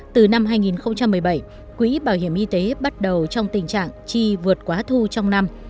từ năm hai nghìn một mươi bảy quỹ bảo hiểm y tế bắt đầu trong tình trạng chi vượt quá thu trong năm